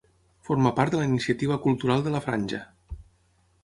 Forma part de la Iniciativa Cultural de la Franja.